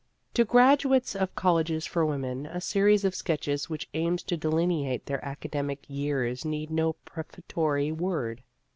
To graduates of colleges for women, a series of sketches which aims to delineate their academic years needs no prefatory word.